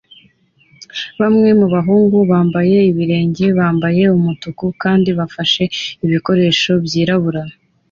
Bamwe mu bahungu bambaye ibirenge bambaye umutuku kandi bafashe ibikoresho byirabura